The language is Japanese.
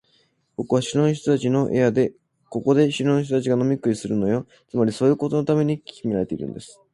ここは城の人たちの部屋で、ここで城の人たちが飲み食いするのよ。つまり、そういうことのためにきめられているんです。